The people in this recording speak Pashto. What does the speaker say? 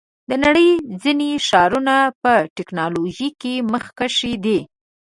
د نړۍ ځینې ښارونه په ټیکنالوژۍ کې مخکښ دي.